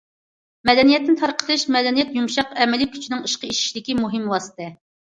مەدەنىيەتنى تارقىتىش مەدەنىيەت يۇمشاق ئەمەلىي كۈچىنىڭ ئىشقا ئېشىشىدىكى مۇھىم ۋاسىتە.